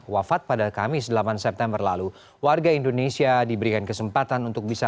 wafat pada kamis delapan september lalu warga indonesia diberikan kesempatan untuk bisa